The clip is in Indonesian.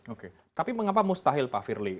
oke tapi mengapa mustahil pak firly